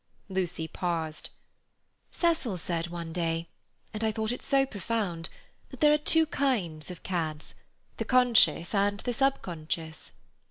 Lucy paused. "Cecil said one day—and I thought it so profound—that there are two kinds of cads—the conscious and the subconscious."